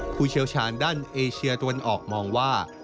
ผู้เชี่ยวชาญด้านเอเชียตะวันออกมองว่า